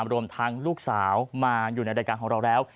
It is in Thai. รวมทั้งลูกสาวมาอยู่ในรายการของเราแล้ว